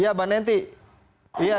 iya mbak nenty